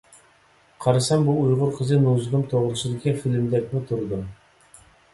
قارىسام بۇ ئۇيغۇر قىزى نۇزۇگۇم توغرىسىدىكى فىلىمدەكمۇ تۇرىدۇ.